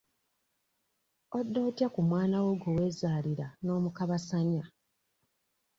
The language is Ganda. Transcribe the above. Odda otya ku mwana wo gwe weezaalira n'omukabasanya?